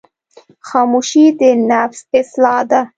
خاموشي، د نفس اصلاح ده.